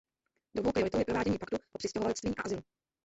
Druhou prioritou je provádění Paktu o přistěhovalectví a azylu.